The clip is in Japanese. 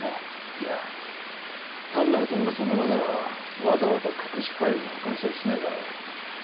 いや単なる友達の名前ならわざわざ隠しファイルに保管したりしないだろう。